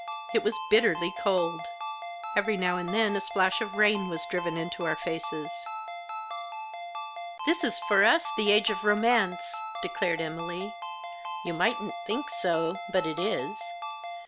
It was bitterly cold. Every now and then a splash of rain was driven into our faces. "This is, for us, the age of romance," declared Emily. " You mightn't think so, but it is.